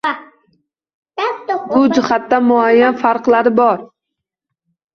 Bu jihatdan muayyan farqlar bor.